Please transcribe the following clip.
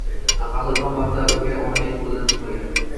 Aqalli biron marta o'gay onaning qo'lidan tutmagan.